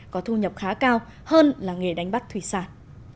có thu nhập khá cao hơn là nghề đánh bắt thủy sản